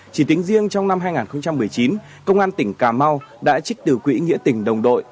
chỉ tính riêng trong năm hai nghìn một mươi chín công an tỉnh cà mau đã trích từ quỹ nghĩa tỉnh đồng đội